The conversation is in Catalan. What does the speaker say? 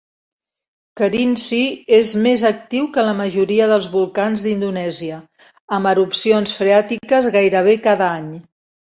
Kerinci és més actiu que la majoria dels volcans d'Indonèsia, amb erupcions freàtiques gairebé cada any.